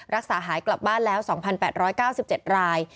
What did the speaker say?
รักษาหายกลับบ้านแล้ว๒๘๙๗ราย